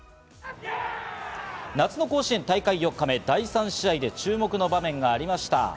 夏の甲子園大会４日目第３試合で注目の場面がありました。